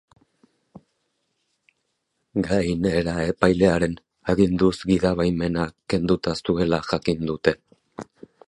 Gainera, epailearen aginduz gidabaimena kenduta zuela jakin dute.